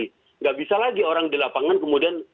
tidak bisa lagi orang di lapangan kemudian